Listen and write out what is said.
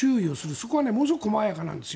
そこはものすごい細やかなんです。